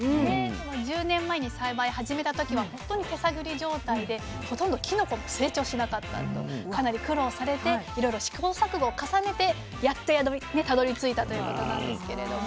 １０年前に栽培始めた時は本当に手探り状態でほとんどきのこも成長しなかったとかなり苦労されていろいろ試行錯誤を重ねてやっとたどりついたということなんですけれど。